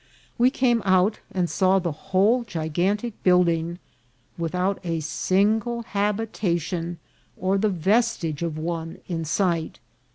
We came out, and saw the whole gigantic building, without a single habitation, or the vestige of one, in sight.